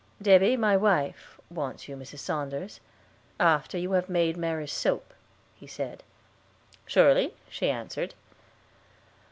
"Debby, my wife, wants you, Mis Saunders, after you have made Mary's soap," he said. "Surely," she answered.